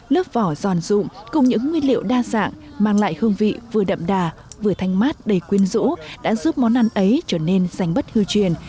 lớp vỏ giòn rụng cùng những nguyên liệu đa dạng mang lại hương vị vừa đậm đà vừa thanh mát đầy quyên rũ đã giúp món ăn ấy trở nên giành bất hư truyền